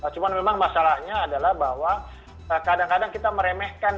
cuma memang masalahnya adalah bahwa kadang kadang kita meremehkan